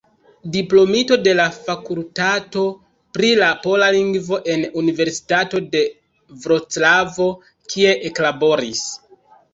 Diplomito de la fakultato pri la pola lingvo en Universitato de Vroclavo, kie eklaboris.